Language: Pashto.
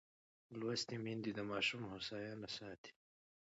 لوستې میندې د ماشوم هوساینه ساتي.